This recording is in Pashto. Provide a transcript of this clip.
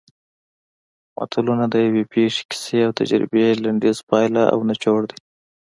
متلونه د یوې پېښې کیسې او تجربې لنډیز پایله او نچوړ دی